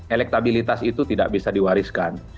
elektabilitas itu tidak bisa diwariskan